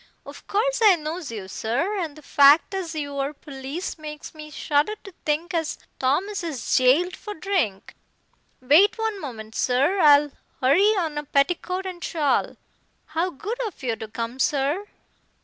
Of course I knows you, sir, and the fact as you are police makes me shudder to think as Thomas is jailed for drink. Wait one moment, sir. I'll hurry on a petticoat and shawl. How good of you to come, sir."